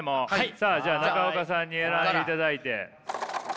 さあじゃあ中岡さんに選んでいただいて。